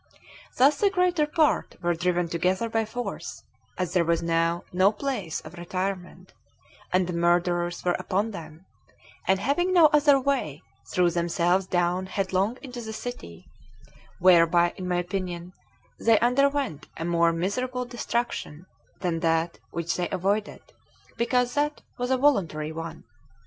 Thus the greater part were driven together by force, as there was now no place of retirement, and the murderers were upon them; and, having no other way, threw themselves down headlong into the city; whereby, in my opinion, they underwent a more miserable destruction than that which they avoided, because that was a voluntary one.